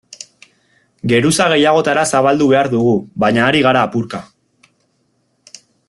Geruza gehiagotara zabaldu behar dugu, baina ari gara apurka.